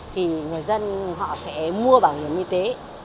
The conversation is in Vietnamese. thì người dân họ sẽ mua bảo hiểm y tế